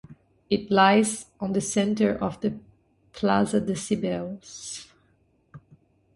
It lies on the centre of the Plaza de Cibeles.